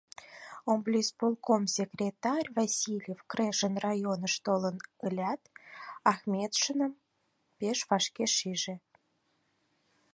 Облисполком секретарь Васильев Крешын районыш толын ылят, Ахметшиным пеш вашке шиже.